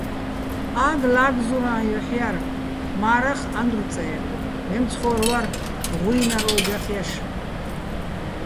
ა́გ ლა́გზურა́ჼ ჲოჰ̦ ჲარ, მა́რახ ანდრო̆ წე́რ, მემცხო́რ ვარ, ღუჲნარ ო́ჯახ ჲაშ.